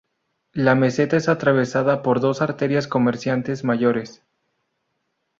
La meseta es atravesada por dos arterias comerciantes mayores.